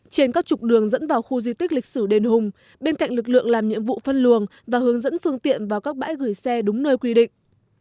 trên các trục đường dẫn vào khu di tích lịch sử đền hùng bên cạnh lực lượng làm nhiệm vụ phân luồng và hướng dẫn phương tiện vào các bãi gửi xe đúng nơi quy định